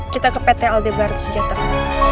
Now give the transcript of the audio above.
kita ke pt aldebar sejahtera